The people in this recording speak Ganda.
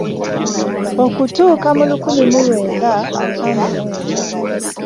Okutuuka mu lukumi mu lwenda ataano mu ena